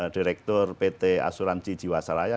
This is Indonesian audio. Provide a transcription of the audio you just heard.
direktur pt asuransi jiwasraya